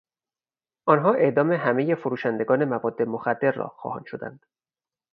آنها اعدام همهی فروشندگان مواد مخدر را خواهان شدند.